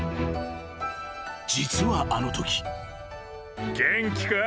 ［実はあのとき］